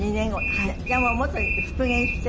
じゃあ元に復元してる？